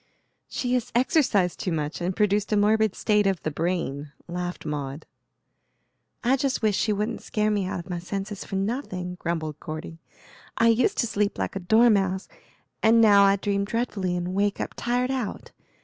"She has exercised too much, and produced a morbid state of the brain," laughed Maud. "I just wish she wouldn't scare me out of my senses for nothing," grumbled Cordy; "I used to sleep like a dormouse, and now I dream dreadfully and wake up tired out.